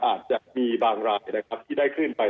อาจจะมีบางรายนะครับที่ได้ขึ้นไป